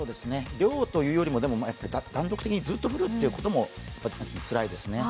量というよりは断続的にずっと降るということもつらいですね。